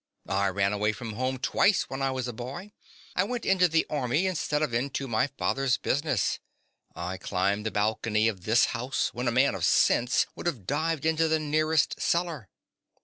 I ran away from home twice when I was a boy. I went into the army instead of into my father's business. I climbed the balcony of this house when a man of sense would have dived into the nearest cellar.